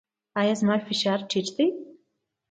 ایا زما فشار ټیټ دی؟